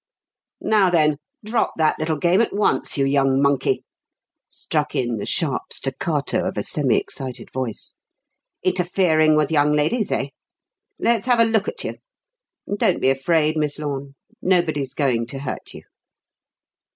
"Now, then, drop that little game at once, you young monkey!" struck in the sharp staccato of a semi excited voice. "Interfering with young ladies, eh? Let's have a look at you. Don't be afraid, Miss Lorne nobody's going to hurt you."